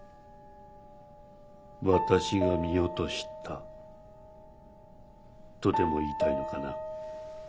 私が見落としたとでも言いたいのかな？